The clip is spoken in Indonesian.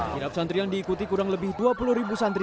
kirap santri yang diikuti kurang lebih dua puluh ribu santri